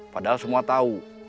padahal semua tahu